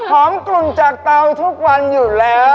กลุ่นจากเตาทุกวันอยู่แล้ว